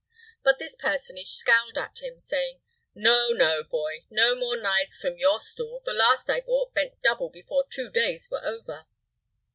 But this personage scowled at him, saying, "No, no, boy. No more knives from your stall. The last I bought bent double before two days were over."